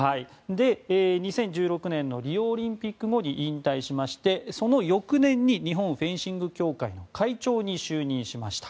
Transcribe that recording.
２０１６年のリオオリンピック後に引退しましてその翌年に日本フェンシング協会の会長に就任しました。